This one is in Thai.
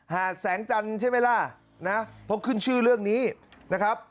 หาดแสงจันทร์ใช่ไหมล่ะนะเพราะขึ้นชื่อเรื่องนี้นะครับ